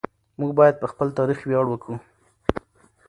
موږ باید پر خپل تاریخ ویاړ وکړو.